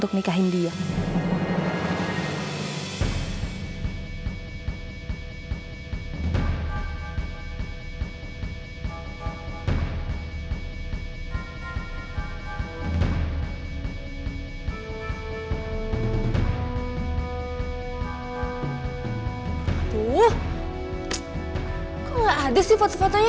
kok gak ada sih foto fotonya